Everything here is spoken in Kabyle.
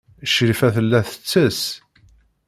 Crifa tella tettess.